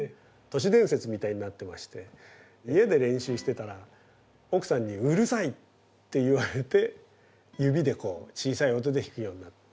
都市伝説みたいになってまして家で練習してたら奥さんにうるさいって言われて指でこう小さい音で弾くようになった。